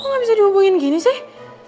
kok gak bisa dihubungin gini sih